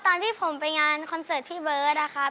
ตอนที่ผมไปงานคอนเสิร์ตพี่เบิร์ตนะครับ